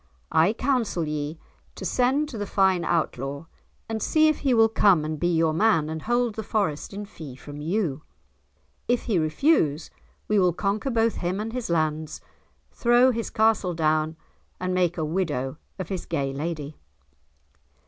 I counsel ye to send to the fine Outlaw and see if he will come and be your man and hold the Forest in fee from you. If he refuse, we will conquer both him and his lands, throw his castle down, and make a widow of his gay lady."